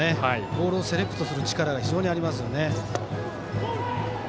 ボールをセレクトする力が非常にありますよね。